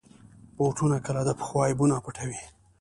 بوټونه کله د پښو عیبونه پټوي.